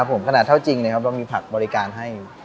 ครับผมขนาดเท่าจริงต้องมีผักบริการให้